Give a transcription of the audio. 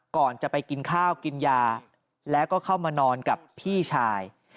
ก่อนจะไปกินข้าวกินยาแล้วก็เข้ามานอนกับพี่ชาย